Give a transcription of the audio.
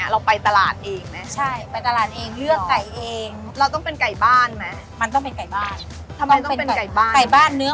อ่ะหอมมากขนาดนี้แหละหนูก็ไม่รู้ว่าจะหนูช่วยแม่ทำอะไรได้มากกว่าการกินแล้วแหละ